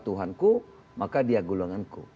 tuhanku maka dia gulanganku